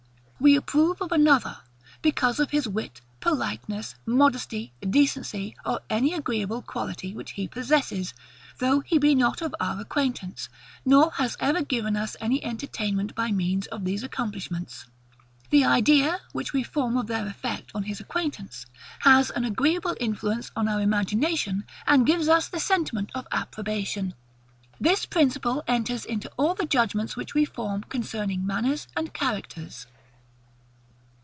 We approve of another, because of his wit, politeness, modesty, decency, or any agreeable quality which he possesses; although he be not of our acquaintance, nor has ever given us any entertainment, by means of these accomplishments. The idea, which we form of their effect on his acquaintance, has an agreeable influence on our imagination, and gives us the sentiment of approbation. This principle enters into all the judgements which we form concerning manners and characters.